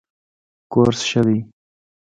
کورس ښه دی.